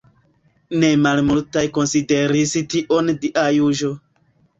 Ne malmultaj konsideris tion dia juĝo.